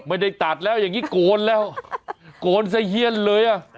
ไม่ได้ตัดแล้วอย่างนี้โกนแล้วโกนซะเฮียนเลยอ่ะ